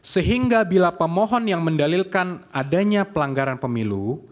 sehingga bila pemohon yang mendalilkan adanya pelanggaran pemilu